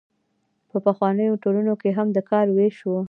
په پخوانیو ټولنو کې هم د کار ویش و.